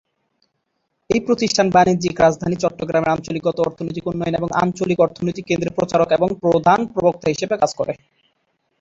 এই প্রতিষ্ঠান বাণিজ্যিক রাজধানী চট্টগ্রামের কৌশলগত অর্থনৈতিক উন্নয়ন এবং আঞ্চলিক অর্থনৈতিক কেন্দ্রের প্রচারক এবং প্রধান প্রবক্তা হিসেবে কাজ করে।